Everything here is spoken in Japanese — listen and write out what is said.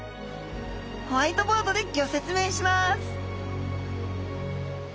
ホワイトボードでギョ説明します！